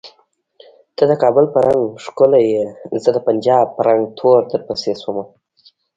ته د کابل په رنګه ښکولیه زه د پنجاب په رنګ تور درپسې شومه